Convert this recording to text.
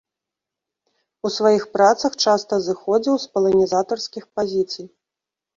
У сваіх працах часта зыходзіў з паланізатарскіх пазіцый.